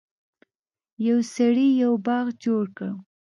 یو سړي یو باغ جوړ کړ.